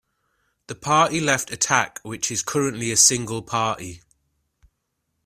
The party left Attack which is currently a single party.